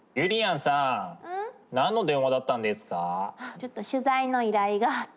ちょっと取材の依頼があって。